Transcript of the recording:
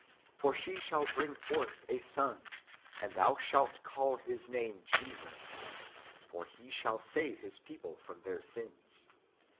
For she shall bring forth a son, and thou shalt call His name Jesus ; for He shall save His people from their sins."